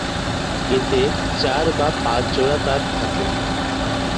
এতে চার বা পাঁচ জোড়া তার থাকে।